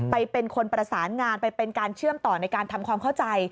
เป็นคนประสานงานไปเป็นการเชื่อมต่อในการทำความเข้าใจ